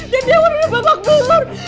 dan dia udah bapak bulur